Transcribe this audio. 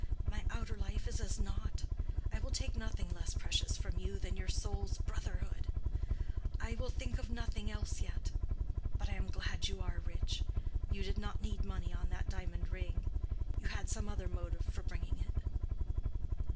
My outer life is as nought. I will take nothing less precious from you than your soul's brotherhood. I will think of nothing else yet. But I am glad you are rich. You did not need money on that diamond ring. You had some other motive for bringing it."